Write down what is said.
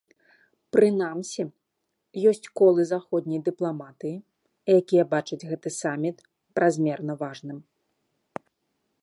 Прынамсі ёсць колы заходняй дыпламатыі, якія бачаць гэты саміт празмерна важным.